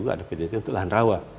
ada pdt untuk lahan rawa